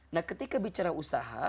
nah ketika bicara usaha